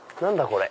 これ。